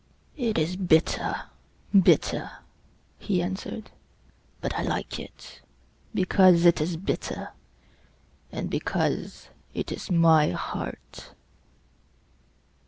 "It is bitter bitter," he answered; "But I like it Because it is bitter, And because it is my heart."